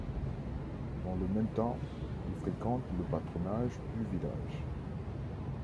Dans le même temps, il fréquente le patronage du village.